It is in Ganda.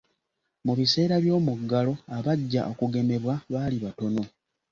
Mu biseera by'omuggalo, abajja okugemebwa baali batono.